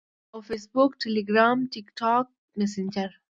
- Facebook، Telegram، TikTok او Messenger